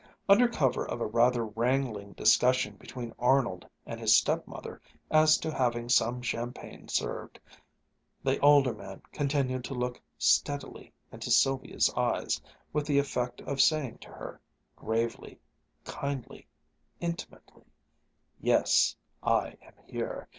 Under cover of a rather wrangling discussion between Arnold and his stepmother as to having some champagne served, the older man continued to look steadily into Sylvia's eyes, with the effect of saying to her, gravely, kindly, intimately: "Yes, I am here.